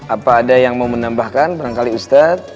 apa ada yang mau menambahkan pernah kali ustadz